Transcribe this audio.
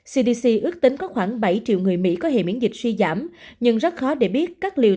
cdc ước tính có khoảng bảy triệu người mỹ có hệ miễn dịch suy giảm nhưng rất khó để biết các liều